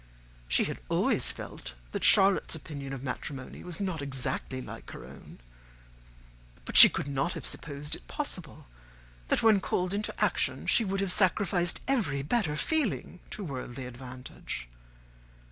She had always felt that Charlotte's opinion of matrimony was not exactly like her own; but she could not have supposed it possible that, when called into action, she would have sacrificed every better feeling to worldly advantage.